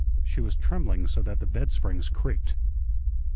She was trembling so that the bed springs creaked.